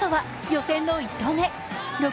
予選の１投目。